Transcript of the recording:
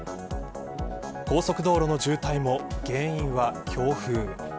高速道路の渋滞も原因は強風。